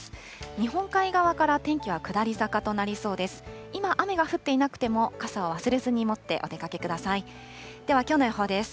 日本海側から天気は下り坂となりそうです。